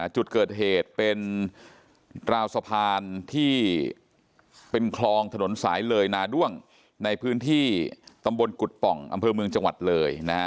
จุดเกิดเหตุเป็นราวสะพานที่เป็นคลองถนนสายเลยนาด้วงในพื้นที่ตำบลกุฎป่องอำเภอเมืองจังหวัดเลยนะฮะ